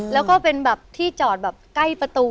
แล้วก็เป็นแบบที่จอดแบบใกล้ประตู